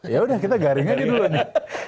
ya udah kita garing aja dulu nih